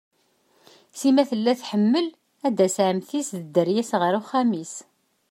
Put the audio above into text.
Sima tella tḥemmel ad tas ɛemti-s d dderya-s ɣer uxxam-is.